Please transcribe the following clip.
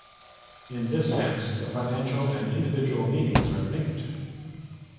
In this sense the financial and individual meanings are linked.